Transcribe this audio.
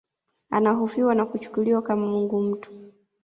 Anahofiwa na kuchukuliwa kama mungu mtu